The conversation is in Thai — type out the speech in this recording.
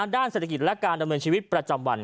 ด้านเศรษฐกิจและการดำเนินชีวิตประจำวัน